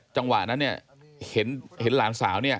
จังหวะนั้นเห็นหลานสาว